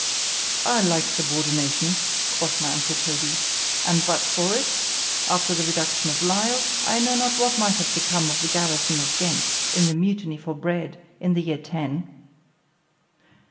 —I like subordination, quoth my uncle Toby,—and but for it, after the reduction of Lisle, I know not what might have become of the garrison of Ghent, in the mutiny for bread, in the year Ten.